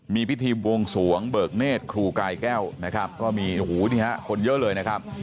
มีพิธีบวงสวงเบิกเนธครูกายแก้วนะครับก็มีหูนี่ฮะคนเยอะเลยนะครับ